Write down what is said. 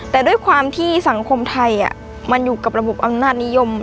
แต่ด้วยความที่สังคมไทยมันอยู่กับระบบอำนาจนิยม